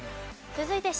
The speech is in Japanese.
続いてＣ。